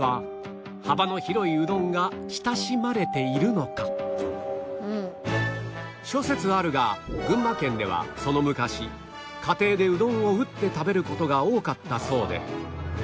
しかし諸説あるが群馬県ではその昔家庭でうどんを打って食べる事が多かったそうで